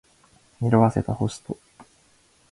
色褪せた星と